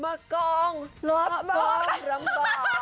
มะกองรับความลำบาก